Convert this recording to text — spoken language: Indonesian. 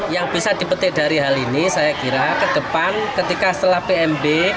yang bisa dipetik dari hal ini saya kira ke depan ketika setelah pmb